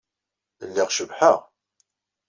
Lliɣ cebḥeɣ.